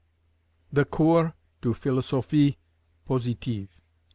THE COURS DE PHILOSOPHIE POSITIVE.